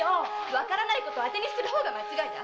わからないことをあてにする方が間違いだ！